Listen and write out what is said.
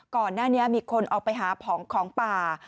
ก่อนหน้านี้มีคนออกไปหาผองของป่า